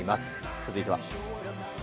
続いては。